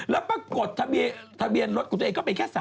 แล้วปรากฎทะเบียนรถของเจ๊ก็ไปแค่๓๕๐